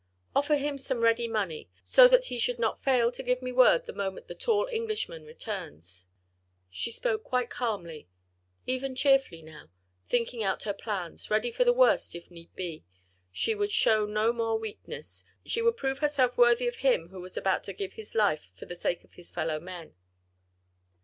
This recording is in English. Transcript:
Offer him some ready money, so that he should not fail to give me word the moment the tall Englishman returns." She spoke quite calmly, even cheerfully now, thinking out her plans, ready for the worst if need be; she would show no more weakness, she would prove herself worthy of him, who was about to give his life for the sake of his fellow men.